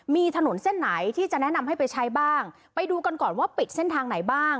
มีถนนเส้นไหนที่จะแนะนำให้ไปใช้บ้างไปดูกันก่อนว่าปิดเส้นทางไหนบ้าง